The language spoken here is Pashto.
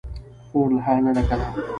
خور له حیا نه ډکه ده.